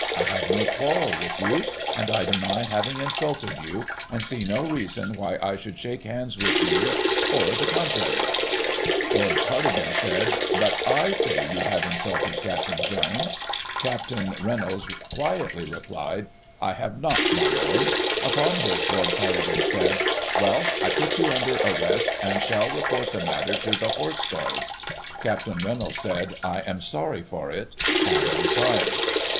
I have no quarrel with you, and I deny having insulted you, and see no reason why I should shake hands with you, or the contrary.' " Lord Cardigan said, ' But I say you have insulted Capt. Jones.' Capt Reynolds quietly replied, *I have not, my Digiti ized by Google 144 GOSSIP. [1840 Lord '; upon which Lord Cardigan said, ' Well, I put you under arrest, and shall report the matter to the Horse Guards.* Capt. Reynolds said, ' I am sorry for it ;' and retired.